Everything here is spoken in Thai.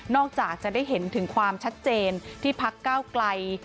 จากจะได้เห็นถึงความชัดเจนที่พักก้าวไกล